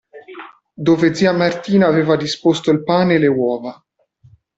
Dove zia Martina aveva deposto il pane e le uova.